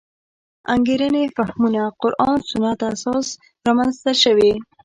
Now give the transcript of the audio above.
انګېرنې فهمونه قران سنت اساس رامنځته شوې.